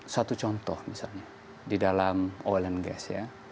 satu contoh misalnya di dalam oil and gas ya